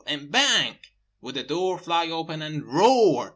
And BANG! would a door fly open, and ROAR!